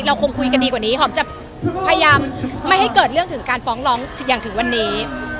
คงคุยกันดีกว่านี้หอมจะพยายามไม่ให้เกิดเรื่องถึงการฟ้องร้องอย่างถึงวันนี้